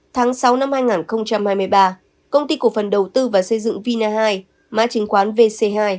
tháng sáu năm hai nghìn hai mươi ba công ty cổ phần đầu tư và xây dựng vina hai mã chứng khoán vc hai